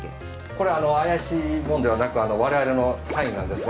これ怪しいもんではなく我々の社員なんですが。